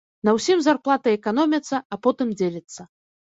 На ўсім зарплата эканоміцца, а потым дзеліцца.